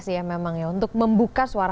sih ya memang ya untuk membuka suara